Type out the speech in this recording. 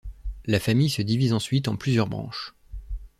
La famille se divise ensuite en plusieurs branches.